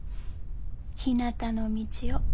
「ひなたの道を」。